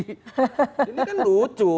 ini kan lucu